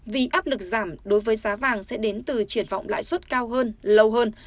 vì áp lực giảm đối với giá vàng sẽ đến từ triển vọng lãi suất cao hơn lâu hơn